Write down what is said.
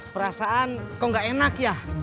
perasaan kok gak enak ya